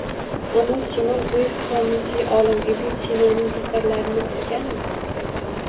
Amir Temur buyuk qomusiy olim Ibn Sinoning asarlarini o‘qiganmi?